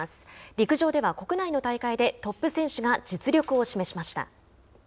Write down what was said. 陸上では国内の大会でトップ選手が実力を示しました。